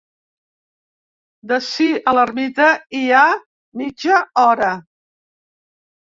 D'ací a l'ermita hi ha mitja hora.